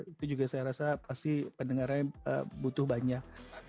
itu juga saya rasa pasti pendengarannya butuh banyak